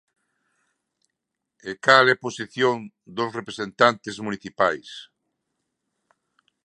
E cal é posición dos representantes municipais?